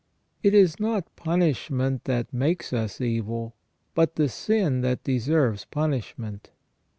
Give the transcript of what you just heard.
It is not punishment that makes us evil, but the sin that deserves punishment.